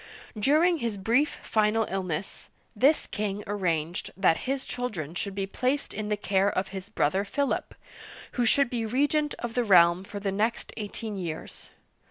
During his brief final illness, this king arranged that his children should be placed in the care of his brother Philip, who should be regent of the realm for the next eighteen years.